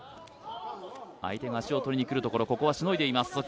相手が脚を取りにくるところここはしのいでいますさあ